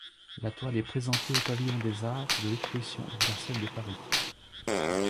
La toile est présentée au pavillon des arts de l'exposition universelle de Paris.